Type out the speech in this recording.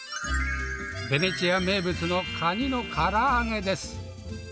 ベネチア名物のカニのから揚げです。